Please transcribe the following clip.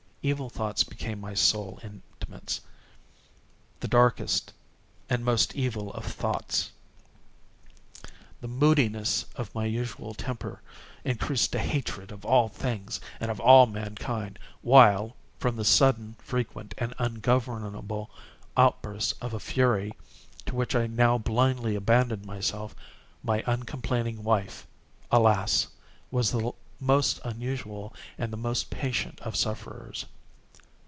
Evil thoughts became my sole intimates—the darkest and most evil of thoughts. The moodiness of my usual temper increased to hatred of all things and of all mankind; while, from the sudden, frequent, and ungovernable outbursts of a fury to which I now blindly abandoned myself, my uncomplaining wife, alas, was the most usual and the most patient of sufferers.